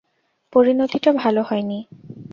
পরিণতিটা ভালো হয়নি।